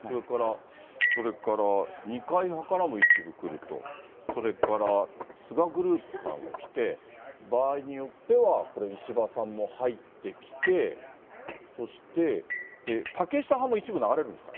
それから二階派からも一部来ると、それから菅グループからも来て、場合によってはこれ、石破さんも入ってきて、そして竹下派も一部流れるんですか？